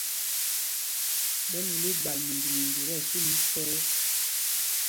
Ɓɛ lǔl igbal mimbi mimbi tí ɛsu lɛ́ isɛɛ.